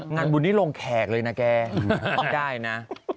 งานบุญนี้ลงแขกเลยนะแกไม่ได้นะ